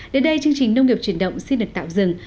đến đây chương trình nông nghiệp truyền động xin được tạm dừng